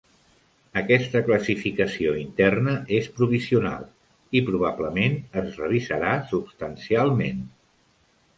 Aquesta classificació interna és provisional, i probablement es revisarà substancialment.